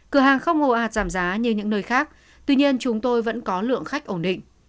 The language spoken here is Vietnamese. cửa hàng không ồ ạt giảm giá như những nơi khác tuy nhiên chúng tôi vẫn có lượng khách ổn định